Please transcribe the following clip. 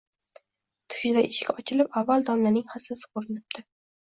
Tushida eshik ochilib, avval domlaning hassasi ko‘rinibdi.